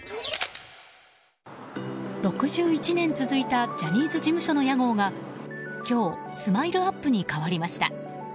６１年続いたジャニーズ事務所の屋号が今日、ＳＭＩＬＥ‐ＵＰ．に変わりました。